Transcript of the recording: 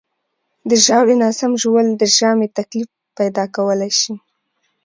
د ژاولې ناسم ژوول د ژامې تکلیف پیدا کولی شي.